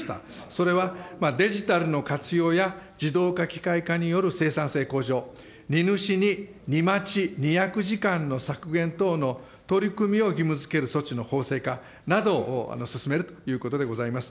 それは、デジタルの活用や、自動化、機械化による生産性向上、荷主に荷待ち、荷役時間の削減等の取り組みを義務づける措置の法制化などを進めるということでございます。